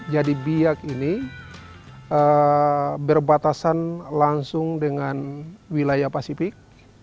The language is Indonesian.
jadi biak ini berbatasan langsung dengan wilayah pasifik